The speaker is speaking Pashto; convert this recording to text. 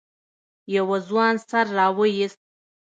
يوه ځوان سر راويست.